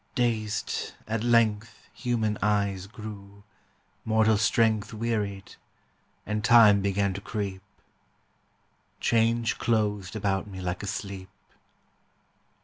Dazed at length Human eyes grew, mortal strength Wearied; and Time began to creep. Change closed about me like a sleep.